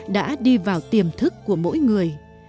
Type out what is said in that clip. đã đi vào tiềm thức của mỗi người